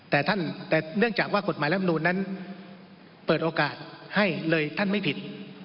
แต่เนื่องจากว่ากฎหมายแล้วธรรมดูลนั้นเปิดโอกาสให้เลยท่านไม่ผิด